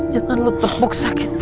jangan lo terpuk sakit